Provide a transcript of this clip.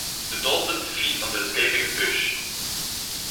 The dolphins feed on the escaping fish.